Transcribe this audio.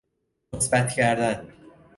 مثبت کردن